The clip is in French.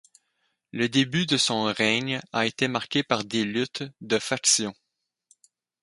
Le début de son règne a été marqué par des luttes de faction.